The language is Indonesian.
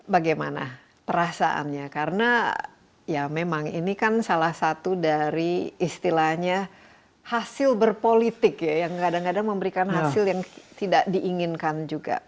bagaimana perasaannya karena ya memang ini kan salah satu dari istilahnya hasil berpolitik ya yang kadang kadang memberikan hasil yang tidak diinginkan juga